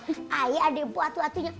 oh ayah adik adik atu atunya